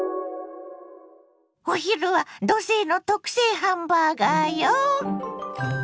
お昼は土星の特製ハンバーガーよ！